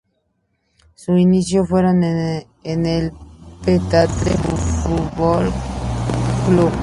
Su inicios fueron en el Petare Fútbol Club.